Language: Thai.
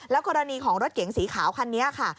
กรณีของรถเก๋งสีขาวคันนี้ค่ะ